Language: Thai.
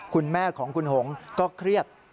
คุณแม่ของคุณหงก็เครียด